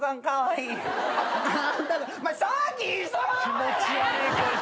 気持ち悪いこいつ。